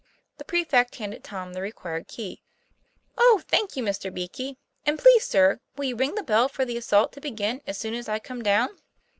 The prefect handed Tom the required key. " Oh, thank you, Mr. Beakey! and please, sir, will you ring the bell for the assault to begin as soon as I come down